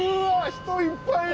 人いっぱいいる！